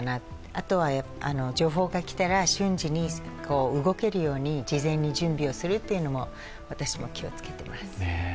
あとは情報が来たら、瞬時に動けるように事前に準備をするというのも、私も気をつけています。